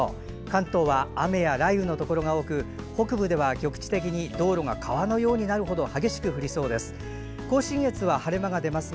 関東は雨や雷雨のところが多く北部では局地的に道路が川のようになるほど激しく降りそうです。